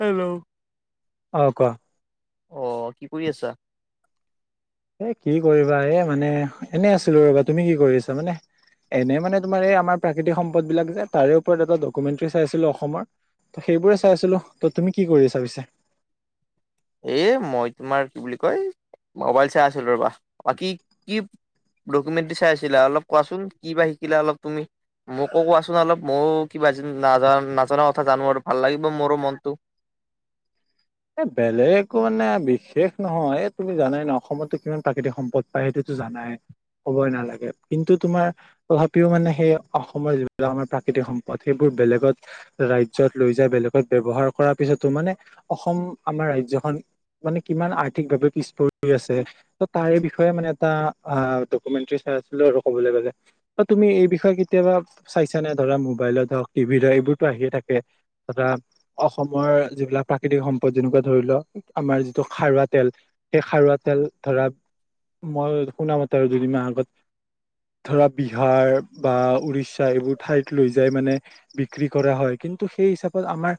Hello. অ কোৱা। অ, কি কৰি আছা? এই কি কৰিবা এই মানে এনে আছিলো ৰবা। তুমি কি কৰি আছা মানে? এনে মানে তোমাৰ এই আমাৰ প্ৰাকৃতিক সম্পদ বিলাক যে তাৰে ওপৰত এটা ডকুমেণ্টৰী চাইছি আছিলো অসমৰ। ত সেইবোৰে চাই আছিলো ত, ' তুমি কি কৰিছা পিছে? এই মই তোমাৰ কি বুলি কয় মোবাইল চাই আছিলো ৰ'বা বাকী কি ডকুমেণ্টৰী চাই আছিলা অলপ কোৱাচোন কি বা শিকিলা অলপ তুমি। মোকো কোৱাচোন অলপ ময়ো কিবা নাজনা কথা জানো আৰু ভাল লাগিব মোৰো মনটো। এ বেলেগ মানে বিশেষ নহয় এই তুমি জানাই ন অসমতো কিমান প্ৰাকৃতিক সম্পদ পায়। সেইটোতো জানাই ক'বই নালাগে কিন্তু তোমাৰ তথাপিও মানে সেই অসমৰ যিবিলাক আমাৰ প্ৰাকৃতিক সম্পদ সেইবোৰ বেলেগত ৰাজ্যত লৈ যায় বেলেগত ব্যৱহাৰ কৰাৰ পিছতো মানে অসম আমাৰ ৰাজ্যখন মানে কিমান আৰ্থিকভাৱে পিছ পৰি আছে। ত তাৰে বিষয়ে মানে এটা ডকুমেণ্টৰী চাই আছিলো আৰু কবলৈ গ'লে। তুমি এই বিষয়ে কেতিয়াবা চাইছা নে ধৰা মোবাইলত হওক টিভিত হওক এইবোৰতো আহিয়ে থাকে। তথা অসমৰ যিবিলাক প্ৰাকৃতিক সম্পদ যেনেকুৱা ধৰি লও আমাৰ যিটো খাৰুৱা তেল সেই খাৰুৱা তেল ধৰা মই শুনামতে আৰু দুদিন মাহ আগত। ধৰা বিহাৰ বা উৰিষ্যা এইবোৰ ঠাইত লৈ যাই মানে বিক্ৰী কৰা হয়। কিন্তু সেই হিচাপত আমাৰ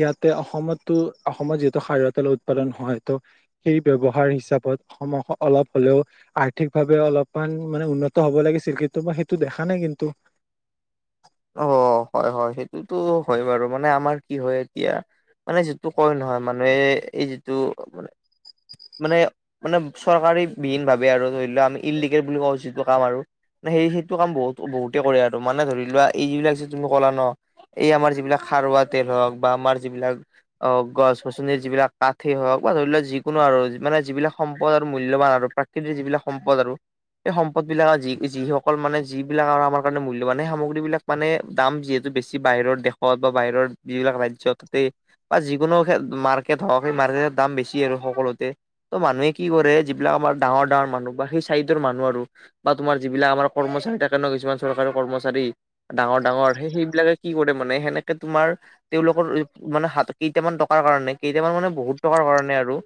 ইয়াতে অসমত ত অসমত যিহেতু খাৰুৱা তেলৰ উৎপাদন হয় ত। সেই ব্যৱহাৰ হিচাপত অসমৰ অলপ হ'লেও আৰ্থিকভাৱে অলপমান মানে উন্নত হ'ব লাগিছিল কিন্তু মই সেইটো দেখা নাই কিন্তু। অ হয় হয় সেইটোতো হয় বাৰু মানে আমাৰ কি হয় এতিয়া মানে যিটো কয় নহয় মানুহে এই যিটো মানে মানে মানে চৰকাৰীবিহীন ভাৱে আৰু ধৰি লোৱা আমি ইলিগেল বুলি কওঁ যিটো কাম আৰু। সেই সেইটো কাম বহুত বহুতে কৰে আৰু মানে ধৰি লোৱা এই যিবিলাক যে তুমি ক'লা ন এই আমাৰ যিবিলাক সাৰুৱা তেল হওক বা আমাৰ যিবিলাক অ গছ গছনিৰ যিবিলাক কাঠেই হওক বা ধৰি লোৱাক যিকোনো আৰু মানে যিবিলাক সম্পদ আৰু মূল্যৱান আৰু প্ৰাক কি যিবিলাক সম্পদ আৰু। এই সম্পদ বিলাক আৰু যি যিসকল মানে যিবিলাক আৰু আমাৰ কাৰণে মূল্যবান সেই সামগ্ৰী বিলাক। মানে দাম যিহেতু বেছি বাহিৰৰ দেশত বা বাহিৰৰ যিবিলাক ৰাজ্যতে বা যিকোনো মাৰ্কেট হওক সেই মাৰ্কেটৰ দাম বেছি আৰু সকলোতে। ত' মানুহে কি কৰে যিবিলাক আমাৰ ডাঙৰ ডাঙৰ মানুহ বা সেই চাইডৰ মানুহ আৰু বা তোমাৰ যিবিলাক আমাৰ কৰ্মচাৰী থাকে ন কিছুমান চৰকাৰী কৰ্মচাৰী ডাঙৰ ডাঙৰ সেইবিলাকে কি কৰে মানে সেনেকে তোমাৰ তেওঁলোকৰ মানে হাত কেইটামান টকাৰ কাৰণে কেইটামান মানে বহুত টকাৰ কাৰণে আৰু।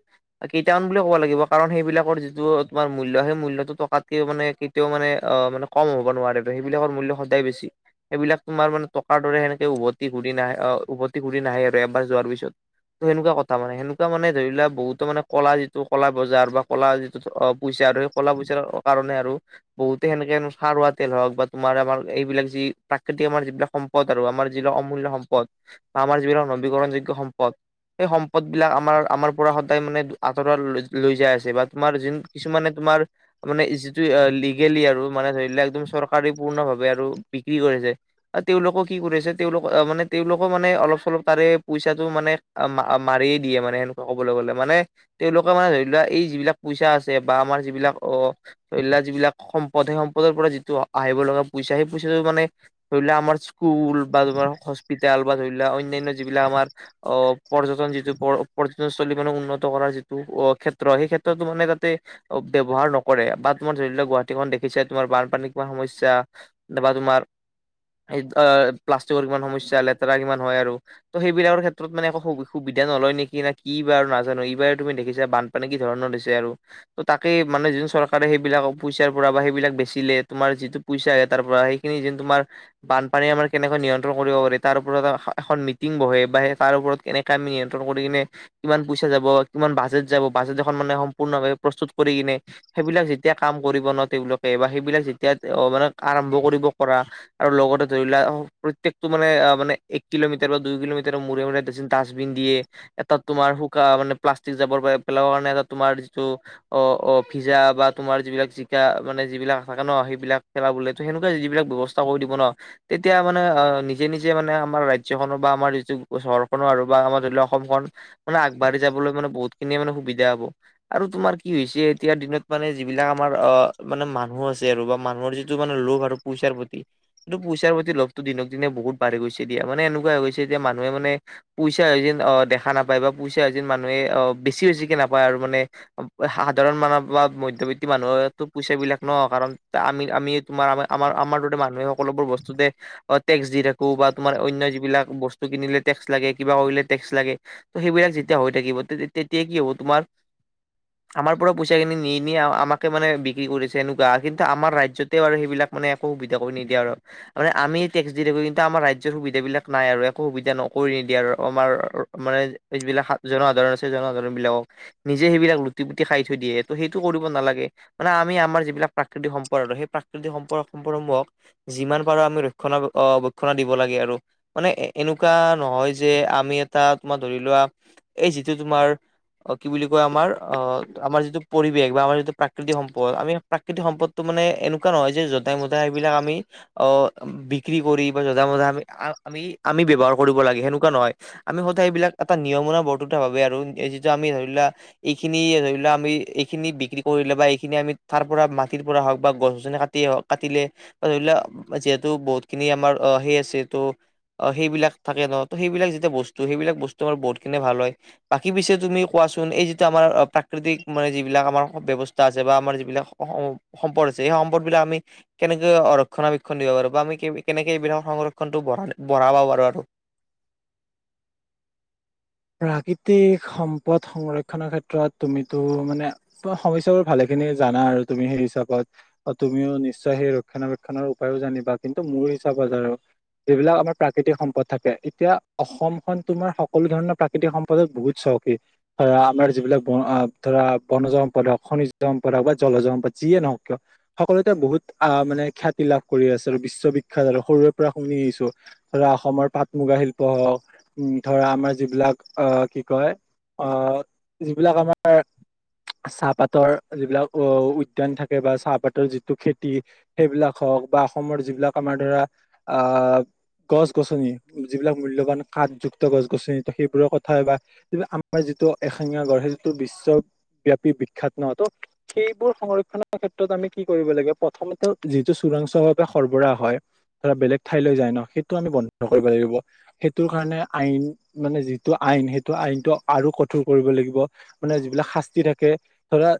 কেইটামান বুলি কব লাগিব কাৰণ সেইবিলাকৰ যিটো তোমাৰ মূল্য সেই মূল্যটো টকাতকে মানে তেও মানে অ মান কম হ'ব নোৱাৰে সেইবিলাকৰ মূল্য সদায় বেছি। সেইবিলাক মানে টকাৰ দৰে সেনেকে উভতি ঘূৰি নাহে আহ উভতি ঘূৰি নাহে আৰু এবাৰ যোৱাৰ পিছত। ত সেনেকুৱা কথা মানে সেনেকুৱা মানে ধৰি লোৱা বহুতো মানে কলা যিটো কলা বজাৰ বা কলা যিটো অ পইচা আৰু কলা পইচাৰ কাৰণে আৰু বহুতে সেনেকে খাৰুৱা তেল হওক বা তোমাৰ আমাৰ এইবিলাক যি প্ৰাকৃতিক আমাৰ যিবিলাক সম্পদ আৰু আমাৰ যিবিলাক অমূল্য সম্পদ বা আমাৰ যিবিলাক নবীকৰণযোগ্য সম্পদ সেই সম্পদ বিলাক আমাৰ আমাৰ পৰা সদায় মানে আঁতৰাই লৈ যায় আছে বা তোমাৰ যোন কিছুমানে তোমাৰ মানে যিটো লিগেলি আৰু মানে ধৰি লোৱা একদম চৰকাৰী পূৰ্ণ ভাৱে আৰু বিক্ৰী কৰে যে? তেওঁলোকো কি কৰিছে তেওঁলোক আহ মানে তেওঁলোকো মানে অলপ চলপ তাৰে পইচাটো মানে মাৰিয়েই দিয়ে মানে সেনেকুৱা ক'বলৈ গ'লে মানে তেওঁলোকে মানে ধৰি লোৱা এই যিবিলাক পইচা আছে বা আমাৰ যিবিলাক অ যিবিলাক সম্পদ সেই সম্পদৰ পৰা যিটো আহিব লগা পইচা সেই পইচাটো মানে ধৰি লোৱা আমাৰ স্কুল বা তোমাৰ হস্পিতাল বা ধৰি লোৱা অনন্যা যিবিলাক আমাৰ অ পৰ্যটন যিটো পৰ্যটনস্থলী মানে উন্নত কৰাৰ যিটো অ ক্ষেত্ৰ সেই ক্ষেত্ৰতো মানে তাতে ব্যৱহাৰ নকৰে বা তোমাৰ ধৰি লওক গুৱাহাটীখন দেখিছে তোমাৰ বানপানীৰ কিমান সমস্যা নাইবা তোমাৰ প্লাষ্টিকৰ কিমান সমস্যা লেতেৰা কিমান হয় আৰু ত সেইবিলাকৰ ক্ষেত্ৰত মানে একো সুবিধা নলয় নেকি না কি বাৰু নাজানো। এইবাৰ তুমি দেখিছাই বানপানী মানে কি ধৰণৰ দিছে আৰু। তাকেই মানে যোন চৰকাৰে সেইবিলাক পইচাৰ পৰা বা সেইবিলাক বেচিলে তোমাৰ যিটো পইচা তাৰ পৰা সেইখিনি যেন তোমাৰ বানপানী আমাৰ কেনেকৈ নিয়ন্ত্ৰণ কৰিব পাৰি তাৰ ওপৰত এখন মিটিং বহে বা তাৰ ওপৰত কেনেকৈ আামি নিয়ন্ত্ৰণ কৰি কিনে কিমান পইচা যাব, কিমান বাজেট যাব। বাজেট এখন মানে সম্পূৰ্ণভাৱে প্ৰস্তুত কৰি কিনে সেইবিলাক যেতিয়া কাম কৰিব ন তেওঁলোকে বা সেইবিলাক যেতিয়া মানে আৰম্ভ কৰিব কৰা আৰু লগতে ধৰি লোৱা প্ৰত্যেকতটো মানে মানে এক কিলোমিটাৰ বা দুই কিলোমিটাৰৰ মূৰে মূৰে ডাষ্টবিন দিয়ে। এটা তোমাৰ শুকান মানে প্লাষ্টিক জাবৰ পেলাব কাৰণে এটা তোমাৰ যিটো অ অ। ভিজা বা তোমাৰ যিবিলাক জিকা মানে যিবিলাক থাকে ন সেইবিলাক খেলা বোলে ত সেনেকুৱা যিবিলাক ব্যৱস্থা কৰি দিব ন তেতিয়া মানে নিজে নিজে মানে আমাৰ ৰাজ্যখনৰ বা আমাৰ যিটো চহৰখনো আৰু বা আমাৰ ধৰি লওক অসমখন মান আগবাঢ়ি যাবলৈ মানে বহুত খিনিয়ে মানে সুবিধা হ'ব। আৰু তোমাৰ কি হৈছে এতিয়া দিনত মানে যিবিলাক আমাৰ অ মানে মানুহ আছে আৰু বা মানুহৰ যিবিলাক কিছুমানৰ লোভ আৰু পইচাৰ প্ৰতি কিন্তু পইচাৰ প্ৰতি লোভটো দিনক দিনে বহুত বাঢ়ি গৈছে দিয়া মানে এনেকুৱা হৈ গৈছে যে মানুহে মানে পইচা এ অ দেখা নাপায় বা পইচা এ যেন মানুহে অ বেছি বেছিকে নাপায় আৰু মানে সাধাৰণ মানুহ বা মধ্যবিত্ত মানুহো পইচা বিলাক ন কাৰণ আমি আমি তোমাৰ আমাৰ আমাৰ তাতে মানুহে সকলোবোৰ বস্তুতে অ', টেক্স দি থাকো বা তোমাৰ অন্য যিবিলাক বস্তু কিনিলে টেক্স লাগে কিবা কৰিলে টেক্স লাগে। ত' সেইবিলাক যেতিয়া হৈ থাকিব তে-তেতিয়া কি হ'ব তোমাৰ? আমাৰ পৰা পইচাখিনি নি নি আ-আমাকে মানে বিক্ৰী কৰিছে, এনেকুৱা কিন্তু আমাৰ ৰাজ্যত তে আৰু সেইবিলাক মানে একো সুবিধা কৰি নিদিয়ে আৰু। মানে আমি টেক্স দি থাকো কিন্তু আমাৰ ৰাজ্যৰ সুবিধা বিলাক নাই আৰু একো সুবিধা নকৰি নিদিয়ে আৰু অমাৰ মানে [unintelligible] জনসাধাৰণ আছে জনসাধাৰণ বিলাকক নিজে সেইবিলাক লুটি পুতি খাই থৈ দিয়ে, ত' সেইটো কৰিব নালাগে। মানে আমি আমাৰ যিবিলাক প্ৰাকৃতিক সম্পদ আৰু সেই প্ৰাকৃতিক সম্পদক সম্পদসমূহক যিমান পাৰো আমি ৰক্ষণা অ, বক্ষণা দিব লাগে আৰু। মানে এনেকুৱা নহয় যে আমি এটা তোমাৰ ধৰি লোৱা এই যিটো তোমাৰ অ', কি বুলি কয় আমাৰ আ, আমাৰ যিটো পৰিৱেশ বা আমাৰ যিটো প্ৰাকৃতিক সম্পদ আমি প্ৰাক [unintelligible] সম্পদটো মানে এনেকুৱা নহয় যে যধাই মদাই এইবিলাক আমি অ', বিক্ৰী কৰি বা যধা মধা আমি, আ-আমি আমি ব্যৱহাৰ কৰিব লাগে সেনেকুৱা নহয়। আমি সদায় সেইবিলাক এটা নিয়মুনা বৰ্তুটা ভাবে আৰু এ, যিটো আমি ধৰি লোৱা এইখিনি ধৰি লোৱা আমি এইখিনি বিক্ৰী কৰিলে বা এইখিনি আমি থাৰ পৰা মাটিৰ পৰা হওক বা গছ যোনে কাটি অ, কাটিলে বা ধৰি ল' যিহেতু বহুত খিনি আমাৰ আ, সেই আছেটো আ, সেইবিলাক থাকে ন' ত' সেইবিলাক যেতিয়া বস্তু সেইবিলাক বস্তু আমাৰ বহুতখিনিয়ে ভাল হয়। বাকী পিছে তুমি কোৱাচোন এই যিটো আমাৰ আ, প্ৰাকৃতিক মানে যিবিলাক আমাৰ ব্যৱস্থা আছে, বা আমাৰ যিবিলাক [unintelligible] সম্পদ আছে সেই সম্পদ বিলাক আমি কেনেকে অ, ৰক্ষণাবেক্ষণ দিব পাৰো, বা আমি [unintelligible] কেনেকে এইবিলাকৰ সংৰক্ষণটো বঢ়ালে বঢ়াব পাৰো আৰু। আহ, কৃতি সম্পদ সংৰক্ষনৰৰ ক্ষেত্ৰত তুমিতো মানে ত' সমস্যাবোৰ ভালে খিনি জানা আৰু তুমি সেই হিচাপত। অ', তুমিও নিশ্চয় সেই ৰক্ষণা বেক্ষণৰ উপায়ো জানিবা কিন্তু মোৰ হিচাপত আৰু যিবিলাক আমাৰ প্ৰাকৃতিক সম্পদ থাকে, তিতিয়া অসমখন তোমাৰ সকলো ধৰণৰ প্ৰাকৃতিক সম্পদক বহুত চহখী। ধৰা আমাৰ যিবিলাক ব আ, ধৰা বনজ সম্পদক, খনিজ দ সম্পদক, বা জলজ সম্পদ যিয়ে নহওক কিয় সকলোতে বহুত আ, মানে খ্যাতি লাভ কৰি আছে আৰু বিশ্ব বিখ্যাত আৰু সৰুৰে পৰা শুনি আহিছোঁ। ধৰা অসমৰ পাট মুগা শিল্প উম, ধৰা আমাৰ যিবিলাক আ, কি কয় আ, যিবিলাক আমাৰ চাহপাতৰ যিবিলাক অ' উদ্যান থাকে বা চাহপাতৰ যিটো খেতি। সেইবিলাক হওঁক বা অসমৰ যিবিলাক আমাৰ ধৰা, আ গছ গছনি, যিবিলাক মূল্যবান কাঠযুক্ত গছ গছনি ত, সেই বোৰৰ কথা বা কিন্তু আমাৰ যিটো এশেঙীয়া গড় সেইটো বিশ্বব্যাপি বিখ্যাত ন' টো সেইবোৰ সংৰক্ষনৰৰ ক্ষেত্ৰত আমি কি কৰিব লাগে প্ৰথমতে যিটো চোৰাংচভাৱে সৰবৰাহ হয়। ধৰা বেলেগ ঠাইলৈ যায় ন' সেইটো আমি বন্ধ কৰিব লাগিব, সেইটোৰ কাৰণে আইন মানে যি টো আইন সেইটো আইনটো আৰু কঠোৰ কৰিব লাগিব, মানে যিবিলাক শাস্তি থাকে, ধৰা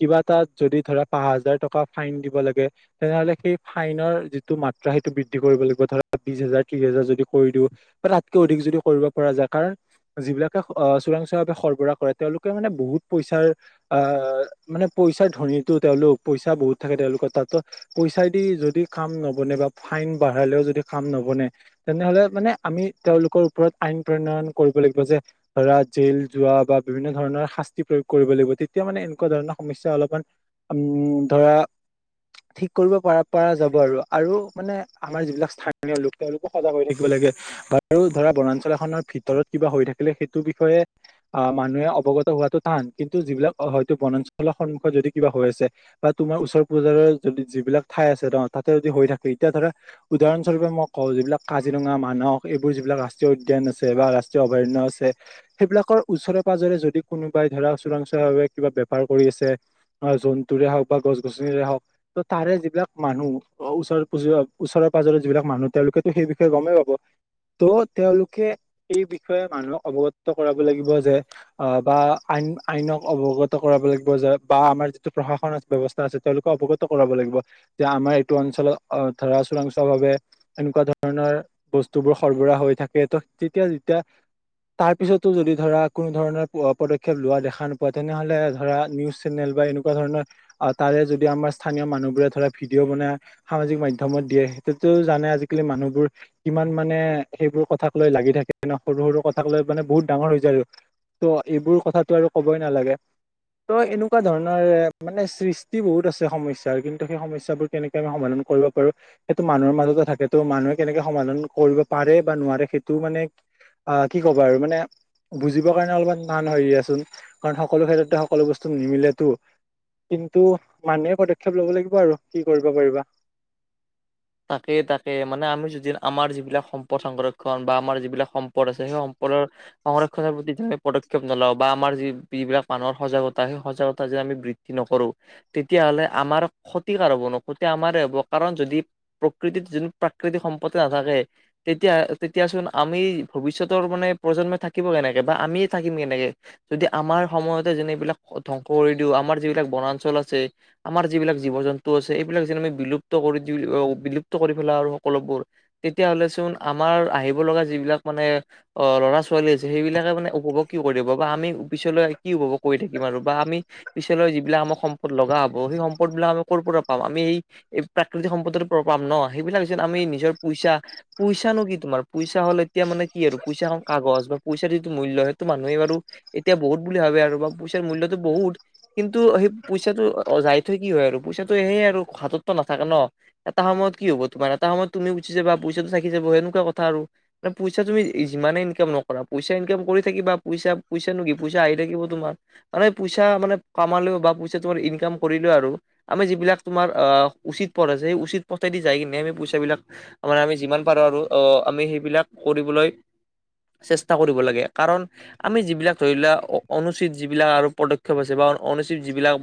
কিবা এটাত যদি ধৰা পাহ হাজাৰ টকা ফাইন দিব লাগে। তেনেহ'লে সেই ফাইনৰ যিটো মাত্ৰা সেইটো বৃদ্ধি কৰিব লাগিব, ধৰা বিশ হাজাৰ ত্ৰিশ হাজাৰ যদি কৰি দিওঁ। বা তাতকৈ অধিক যদি কৰিব পৰা যায় কাৰণ যিবিলাকে আ, চোৰাংচোৱা ভাৱে সৰবৰাহ কৰে তেওঁলোকে মানে বহুত পইচাৰ আ মানে পইচাৰ ধ্বনিটো তেওঁলোক পইচা বহুত থাকে তেওঁলোকৰ তাতো পইচাদি যদি কাম নবনে বা ফাইন বাঢ়ালেও যদি কাম নবনে। তেনেহ'লে মানে আমি তেওঁলোকৰ ওপৰত আইন প্ৰণয়ন কৰিব লাগিব যে ধৰা জেল যোৱা বা বিভিন্ন ধৰণৰ শাস্তি প্ৰয়োগ কৰিব লাগিব, তেতিয়া মানে এনেকুৱা ধৰণৰ সমস্যা অলপমান উম, ধৰা ঠিক কৰিব পৰা যাব আৰু আৰু মানে আমাৰ যিবিলাক স্থানীয় লোক তেওঁলোকো সজাগ হৈ থাকিব লাগে। বাৰু ধৰা বনাঞ্চল এখনৰ ভিতৰত কিবা হৈ থাকিলে সেইটো বিষয়ে- আহ মানুহে অৱগত হোৱাটো টান কিন্তু যিবিলাক হয়তো বনাঞ্চলৰ সন্মুখত যদি কিবা হৈ আছে। বা তোমাৰ ওচৰ পাজৰ যদি যিবিলাক ঠাই আছে ন তাতে যদি হৈ থাকে এতিয়া ধৰা- উদাহৰণস্বৰূপে মই কওঁ যিবিলাক কাজিৰঙা মানস এইবোৰ যিবিলাক ৰাষ্ট্ৰীয় উদ্যান আছে বা ৰা ৰাষ্ট্ৰীয় অভয়াৰণ্য আছে। সেইবিলাকৰ ওচৰে পাজৰে যদি কোনোবাই ধৰা চোৰাংচোৱাৰ ভাৱে কিবা বেপাৰ কৰি আছে। জন্তুৰে হওক বা গছ গছনিৰে হওক। ত তাৰে যিবিলাক মানুহ অ ওচৰ পুজ ওচৰৰ পাজৰেৰ যিবিলাক মানুহ তেওঁলোকেতো সেই বিষয়ে গমেই পাব। ত' তেওঁলোকে এই বিষয়ে মানুহক অৱগত কৰাব লাগিব যে- অ বা আইন আইনক অৱগত কৰাব লাগিব যে বা আমাৰ যিটো প্ৰশাসন- ব্যৱস্থা আছে তেওঁলোকে অৱগত কৰাব লাগিব যে আমাৰ এইটো অঞ্চলত আহ ধৰা চোৰাংচোৱা ভাৱে- এনেকুৱা ধৰণৰ বস্তুবোৰ সৰবৰাহ হৈ থাকে ত তেতিয়া যেতিয়া- তাৰ পিছতো যদি ধৰা কোনো ধৰণৰ পদক্ষেপ লোৱা দেখা নোপোৱা তেনেহলে ধৰা নিউজ চেনেল বা এনেকুৱা- তেনেকুৱা ধৰণৰ তাৰে যদি আমাৰ স্থানীয় মানুহবোৰে ধৰা ভিডিঅ' বনাই- সামাজিক মাধ্যমত দিয়ে সেইটোতো জানে আজিকালি মানুহবোৰ- কিমান মানে সেইবোৰ কথাক লৈ লাগি থাকে। সৰু সৰু কথা ক লৈ মানে বহুত ডাঙৰ হৈ যায় আৰু ত' এইবোৰ কথাতটো আৰু কবই নালাগে। ত এনেকুৱা ধৰণৰ মানে সৃষ্টি বহুত আছে সমস্যাৰ কিন্তু সেই সমস্যাৰ বোৰ- কেনেকে আমি সমাধান কৰিব পাৰো। সেইটো মানুহৰ মাজতে থাকে ত' মানুহে কেনেকে সমাধান কৰিব পাৰে বা নোৱাৰে সেইটো মানে- আহ কি ক'বা আৰু মানে- বুজিবৰ কাৰণে অলপমান টান হয় দিয়া চোন কাৰণ সকলো ক্ষেত্ৰতে সকলো বস্তু নিমিলেতো। কিন্তু মানুহে পদক্ষেপ ল'ব লাগিব আৰু কি কৰিব পাৰিবা। তাকে তাকে মানে আমি যদি আমাৰ যিবিলাক সম্পদ সংৰক্ষণ বা আমাৰ যিবিলাক সম্পদ আছে সেই সম্পদৰ- সংৰক্ষণৰ প্ৰতি যে আমি পদক্ষেপ নলওঁ বা আমাৰ যি যিবিলাক মানুহৰ সজাগতা সেই সজাগতা যে আমি বি বিধি নকৰো তেতিয়া হ'লে আমাৰ ক্ষতিকাৰ হ'ব ন ক্ষতি আমাৰে হ'ব কাৰণ যদি- প্ৰকৃতিত যোন প্ৰাকৃতিক সম্পত্তি নাথাকে। তেতিয়া তেতিয়াচোন আমি ভৱিষ্যতৰ মানে প্ৰজন্মই থাকিব কেনেকে বা আমিয়ে থাকিম কেনেকে। যদি আমাৰ সময়তে যেন এইবিলাক ধ্বংস কৰি দিওঁ আমাৰ যিবিলাক বনাঞ্চল আছে- আমাৰ যিবিলাক জীৱ জন্তু আছে এইবিলাক যে আমি বিলুপ্ত কৰি বিলুপ্ত কৰি পেলাই আৰু সকলোবোৰ- তেতিয়া হ'লে চোন আমাৰ আহিব লগা যিবিলাক মানে- অ ল'ৰা ছোৱালী আছে সেইবিলাকে মানে উপভোগ কি কৰিব বা আমি পিছলৈ কি উপভোগ কৰি থাকিম আৰু বা আমি- পিছলৈ যিবিলাক আমাৰ সম্পদ লগা হব সেই সম্পদ বিলাক আমি ক'ৰ পৰা পাম আমি এই প্ৰাকৃতিক সম্পদৰ- পৰা পাম ন সেইবিলাক যদি আমি নিজৰ পইচা- পইচা নো কি তোমাৰ পইচা হ'ল এতিয়া মানে কি আৰু পইচা কাগজ বা পইচাৰ যিটো মূল্য সেইটো মানুহে বাৰু- এতিয়া বহুত বুলি ভাবে আৰু বা পইচাৰ মূল্যতটো বহুত- কিন্তু সেই পইচাটো যাই থৈ কি হয় আৰু পইচাটো সেয়াই আৰু হাততো নাথাকে ন। এটা সময়ত কি হব তোমাৰ এটা সময়ত তুমি গুচি যাবা পইচাটো থাকি যাব সেনেকুৱা কথা আৰু- পইচা তুমি যিমানে ইনকাম নকৰা পইচা ইনকাম কৰি থাকিবা পইচা পইচা নো কি পইচা আহি থাকিব তোমাৰ- মানে পইচা মানে কমালেও বা পইচা তোমাৰ ইনকাম কৰিলে আৰু- আমি যিবিলাক তোমাৰ উচিত পথ আছে সেই উচিত পথেদি যাই কিনে আমি পইচাবিলাক- আমাৰ আমি যিমান পাৰোঁ আৰু আমি সেইবিলাক কৰিবলৈ- চেষ্টা কৰিব লাগে কাৰণ আমি যিবিলাক ধৰি লোৱা অনুচিত যিবিলাক আৰু প উৎক্ষপ আছে বা অনুচিত যিবিলাক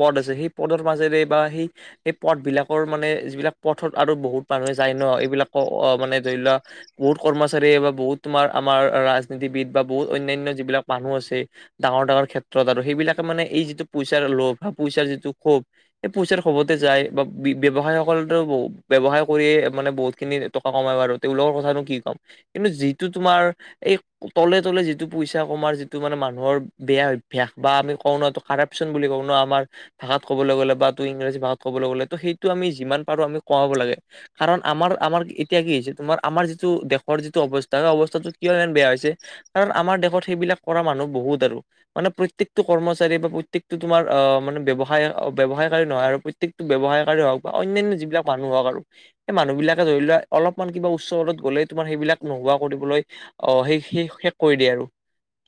পদ আছে সেই পদৰ- মাজেৰে বা সেই সেই পথ বিলাকৰ মানে যিবিলাক পথত আৰু বহুত মানুহে যায় ন' এইবিলাক অ', মানে ধৰি লোৱা বহুত কৰ্মচাৰী বা বহুত তোমাৰ আমাৰ ৰাজনীতিবিদ বা বহুত অন্যান্য যিবিলাক মানুহ আছে ডাঙৰ ডাঙৰ ক্ষেত্ৰত আৰু সেইবিলাকে মানে এই যিটো পইচাৰ লোভ বা পইচাৰ যিটো খোব এই পইচাৰ খোবতে যায় বা ব্যয়ৱসায়ক [unintelligible] ব্যৱসায় কৰিয়ে মানে বহুত খিনি টকা কমাই আৰু তেওঁলোকৰ কথানো কি ক'ম কিন্তু যিটো তোমাৰ এই তলে তলে যিটো পইচা কমাৰ যিটো মানে মানুহৰ বেয়া অভ্যাস বা আমি কওঁ ন' কাৰাপশচন বুলি কওঁ ন' আমাৰ ভাষাত ক'বলৈ গ'লে বা টো ইংৰাজী ভাষাত ক'বলৈ গ'লে ত' সেইটো আমি যিমান পাৰো আমি কমাব লাগে কাৰণ আমাৰ আমাৰ এতিয়া কি হৈছে তোমাৰ আমাৰ যিটো দেশৰ যিটো অৱস্থা সেই অৱস্থাটো কিয় ইমান বেয়া হৈছে কাৰণ আমাৰ দেশত সেইবিলাক কৰা মানুহ বহুত আৰু মানে প্ৰত্যেকতটো কৰ্মচাৰী বা প্ৰত্যেকতটো তোমাৰ অ', মানে ব্যয়ৱসায় ব্যয়ৱসায়কাৰী নহয় আৰু প্ৰ প্ৰত্যকটো ব্যৱসায়কাৰে হওক বা অন্যান্য যিবিলাক মানুহ হওক আৰু এই মানুহবিলাকে ধৰি লোৱা অলপমান কিবা উচ্চপদত গ'লে তোমাৰ সেইবিলাক নোহোৱা কৰিবলৈ- অ', সেই সেই শেষ কৰি দিয়ে আৰু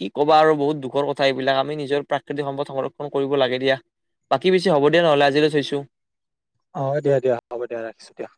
কি ক'বা আৰু বহুত দুখৰ কথা এইবিলাক আমি নিজৰ প্ৰাকৃতিক সম্পদ সংৰক্ষণ কৰিব লাগে দিয়া। বাকী পিছে হ'ব দে নহ'লে আজিলে থৈছোঁ অ' দিয়া, দিয়া, হ'ব দিয়া ৰাখিছোঁ দিয়া